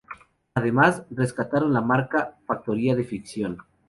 Además, rescataron la marca Factoría de Ficción.